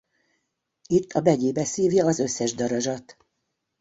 Itt a begyébe szívja az összes darazsat.